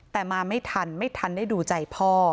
แต่มาไม่ทันไม่ทันได้ดูใจพ่อ